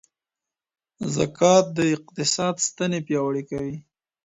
زکات د اقتصاد ستني پياوړې کوي.